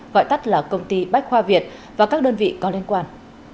gọi tắt là công ty bách khoa việt và các đơn vị có liên quan